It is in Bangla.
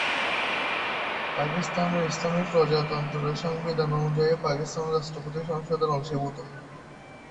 পাকিস্তানের ইসলামী প্রজাতন্ত্রের সংবিধান অনুযায়ী, পাকিস্তানের রাষ্ট্রপতি সংসদের অংশীভূত।